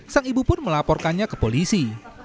sang ibu pun melaporkannya ke polisi